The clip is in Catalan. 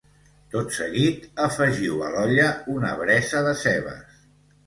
Tot seguit afegiu a l'olla una bresa de cebes